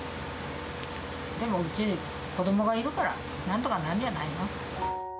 でも、うちは子どもがいるから、なんとかなるんじゃないの。